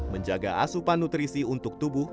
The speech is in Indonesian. menjaga asupan nutrisi untuk tubuh